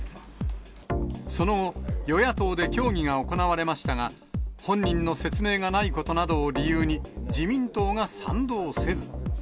その後、与野党で協議が行われましたが、本人の説明がないことなどを理由に、自民党が賛同せず。